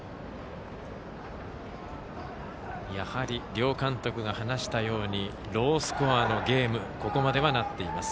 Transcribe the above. やはり両監督が話したようにロースコアのゲームにここまでは、なっています。